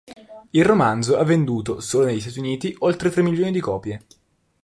Il romanzo ha venduto, solo negli Stati Uniti, oltre tre milioni di copie.